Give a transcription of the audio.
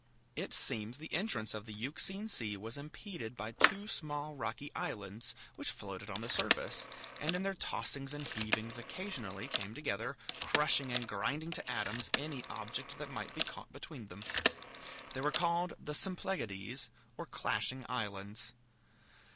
It seems the entrance of the Euxine Sea was impeded by two small rocky islands, which floated on the surface, and in their tossings and heavings occasionally came together, crushing and grinding to atoms any object that might be caught between them. They were called the Symplegades, or Clashing Islands.